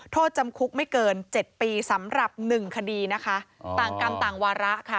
โทษจำคุกไม่เกิน๗ปีสำหรับ๑คดีต่างกันต่างวาระ